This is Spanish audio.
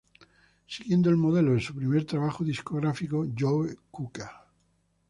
Siguiendo el modelo de su primer trabajo discográfico, "Joe Cocker!